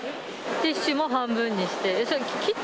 ティッシュも半分にして。